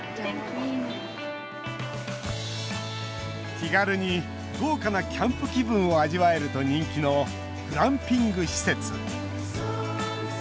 気軽に豪華なキャンプ気分を味わえると人気のグランピング施設。